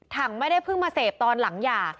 ไม่ได้เพิ่งมาเสพตอนหลังหย่า